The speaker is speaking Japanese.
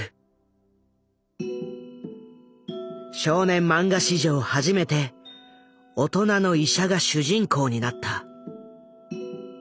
少年漫画史上初めて大人の医者が主人公になった。